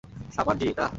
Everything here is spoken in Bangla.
সামার জি, - না।